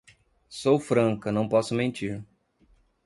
Sou franca, não posso mentir!